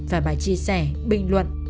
và bài chia sẻ bình luận